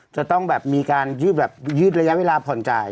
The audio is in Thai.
จะต้องมีการยืดระยะเวลาผ่อนจ่าย